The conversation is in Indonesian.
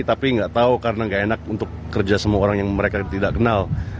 tapi nggak tahu karena nggak enak untuk kerja sama orang yang mereka tidak kenal